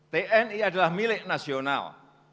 tni adalah milik nasional